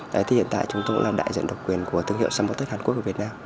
đấy thì hiện tại chúng tôi cũng là đại diện độc quyền của thương hiệu samotech hàn quốc ở việt nam